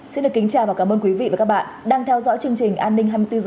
xin được kính chào và cảm ơn quý vị và các bạn đang theo dõi chương trình an ninh hai mươi bốn h